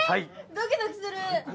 ドキドキする！